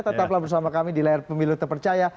tetaplah bersama kami di layar pemilu terpercaya